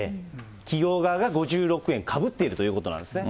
企業側が５６円かぶっているということなんですね。